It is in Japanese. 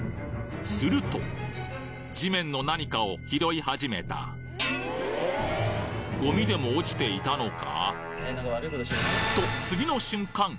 すると地面の何かを拾い始めたゴミでも落ちていたのか？